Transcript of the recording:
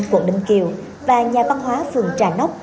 quận ninh kiều và nhà văn hóa phường trà nóc